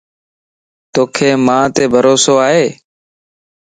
توک مانت بھروسو ائي؟